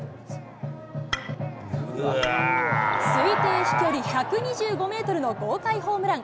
推定飛距離１２５メートルの豪快ホームラン。